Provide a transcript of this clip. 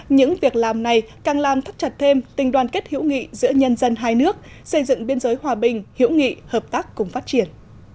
những việc làm này càng làm thắt chặt thêm tình đoàn kết hữu nghị giữa nhân dân hai nước xây dựng biên giới hòa bình hiểu nghị hợp tác cùng phát triển